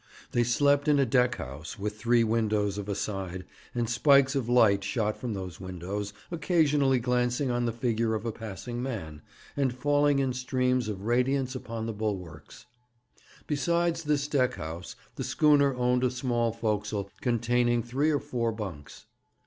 They slept in a deck house, with three windows of a side, and spikes of light shot from those windows, occasionally glancing on the figure of a passing man, and falling in streams of radiance upon the bulwarks. Besides this deck house, the schooner owned a small forecastle, containing three or four bunks.